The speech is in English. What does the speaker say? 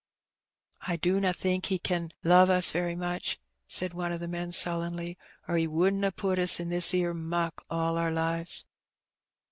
"I dunna think He ken love us very much," said one of the men sullenly, " or He wouldn't ha' put us in this 'ere muck all our lives."